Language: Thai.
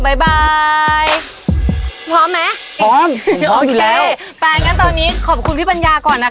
บ๊ายบายพร้อมไหมพร้อมผมพร้อมอยู่แล้วโอเคไปงั้นตอนนี้ขอบคุณพี่ปัญญาก่อนนะคะ